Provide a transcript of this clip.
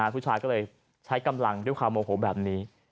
ผู้ชายก็เลยใช้กำลังด้วยความโมโหแบบนี้